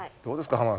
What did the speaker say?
どうですか？